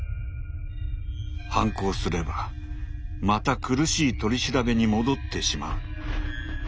反抗すればまた苦しい取り調べに戻ってしまう。